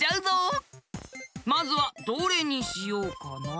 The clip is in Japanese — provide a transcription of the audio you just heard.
まずはどれにしようかな？